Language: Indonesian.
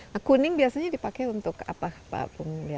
nah kuning biasanya dipakai untuk apa pak pungli